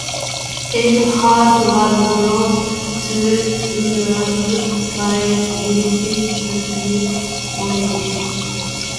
Acid house was brought to England by Genesis P-Orridge.